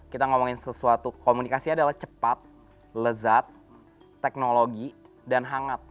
kita ngomongin sesuatu komunikasi adalah cepat lezat teknologi dan hangat